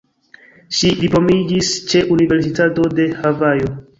Ŝi diplomiĝis ĉe Universitato de Havajo.